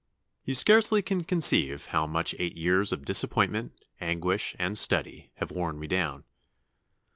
] "You scarcely can conceive how much eight years of disappointment, anguish, and study, have worn me down....